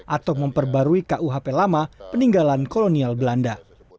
atau memperbarui kuhp lama peninggalan kolonial belanda